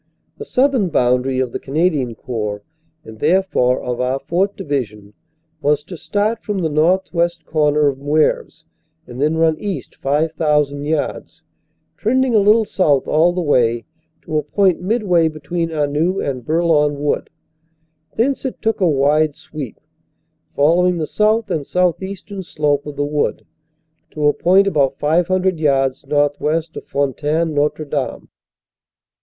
The southern boundary of the Cana dian Corps, and therefore of our 4th. Division, was to start from the northwest corner of Mceuvres, and then run east 5,000 yards, trending a little south all the way, to a point mid way between Anneux and Bourlon Wood. Thence it took a wide sweep, following the south and southeastern slope of the wood, to a point about 500 yards northwest of Fontaine Notre Dame.